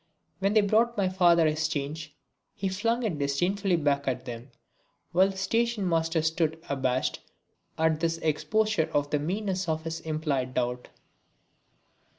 When they brought my father his change he flung it disdainfully back at them, while the station master stood abashed at this exposure of the meanness of his implied doubt.